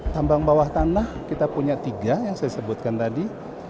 tambang bawah tanah kita punya tiga yang saya sebutkan tadi